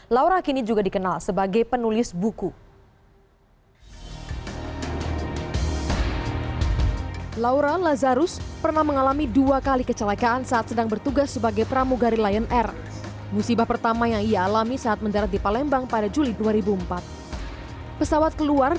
laura kini juga dikenal sebagai penulis buku